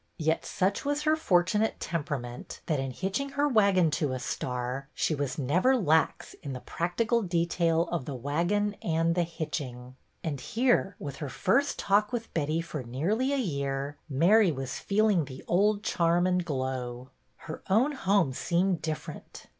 Yet such was her for tunate temperament that in hitching her wagon to a star, she was never lax in the practical de tails of the wagon and the hitching. And here, with her first talk with Betty for nearly a year, Mary was feeling the old charm and glow. Her own home seemed different.